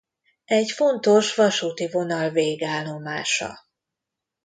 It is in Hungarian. Egy fontos vasúti vonal végállomása.